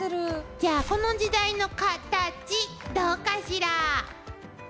じゃあこの時代のカタチどうかしら？